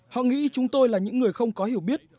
họ nghĩ chúng tôi là những người không có hiểu biết